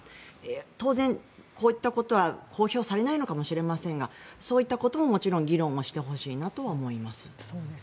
当然、こういったことは公表されないのかもしれませんがそういったことも、もちろん議論をしてほしいなと思います。